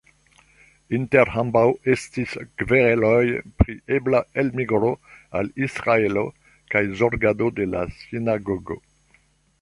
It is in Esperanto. Inter ambaŭ estis kvereloj pri ebla elmigro al Israelo kaj zorgado de la sinagogo.